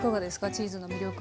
チーズの魅力。